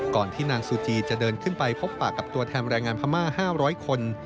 ที่นางซูจีจะเดินขึ้นไปพบปากกับตัวแทนแรงงานพม่า๕๐๐คน